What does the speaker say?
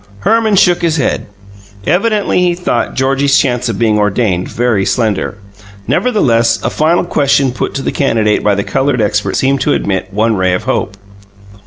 Herman shook his head. Evidently he thought Georgie's chance of being ordained very slender. Nevertheless, a final question put to the candidate by the coloured expert seemed to admit one ray of hope.